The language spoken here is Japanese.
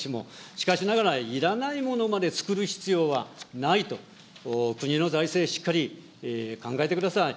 しかしながらいらないものまでつくる必要はないと、国の財政をしっかり考えてください。